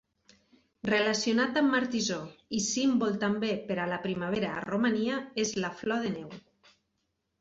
Relacionat amb Martisor i símbol també per a la primavera a Romania és la flor de neu.